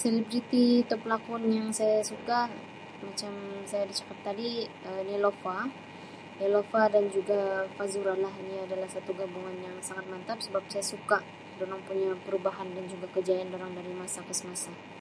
Selebriti atau pelakon yang saya suka macam saya ada cakap tadi Um Neelofa, Neelofa dan juga Fazura lah ini adalah satu gabungan yang sangat mantap sebab saya suka dorang punya perubahan dan juga kejayaan dorang dari masa ke semasa.